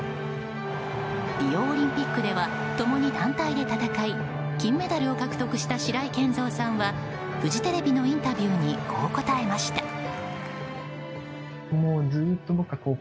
リオオリンピックでは共に団体で戦い金メダルを獲得した白井健三さんはフジテレビのインタビューにこう答えました。